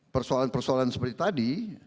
persoalan persoalan seperti tadi